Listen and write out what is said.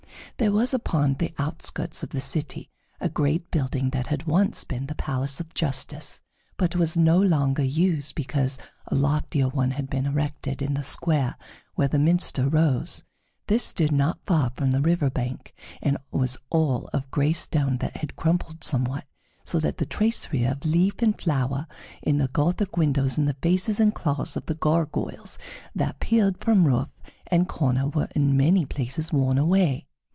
There was upon the outskirts of the city a great building that had once been the Palace of Justice, but was no longer used because a loftier one had been erected in the square where the minster rose. This stood not far from the river bank, and was all of gray stone that had crumbled somewhat, so that the tracery of leaf and flower in the Gothic windows and the faces and claws of the gargoyles that peered from roof and corner were in many places worn away.